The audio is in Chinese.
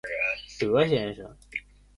德先生